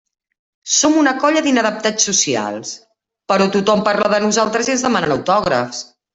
Som una colla d'inadaptats socials, però tothom parla de nosaltres i ens demanen autògrafs.